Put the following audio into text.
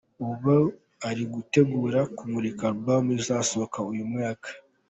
Ubu ari gutegura kumurika album izasohoka uyu mwaka”.